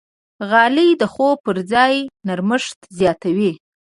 غالۍ د خوب پر ځای نرمښت زیاتوي.